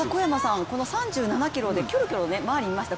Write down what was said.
この３７ｋｍでキョロキョロ周りを見ました。